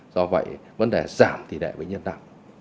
do vậy vấn đề giảm tỷ đệ bệnh nhân nặng